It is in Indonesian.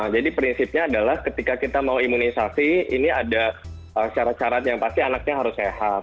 jadi prinsipnya adalah ketika kita mau imunisasi ini ada syarat syarat yang pasti anaknya harus sehat